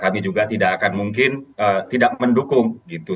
kami juga tidak akan mungkin tidak mendukung gitu